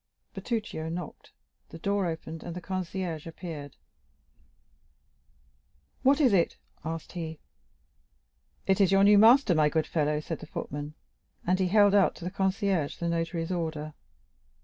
Bertuccio knocked, the door opened, and the concierge appeared. "What is it?" asked he. "It is your new master, my good fellow," said the footman. And he held out to the concierge the notary's order.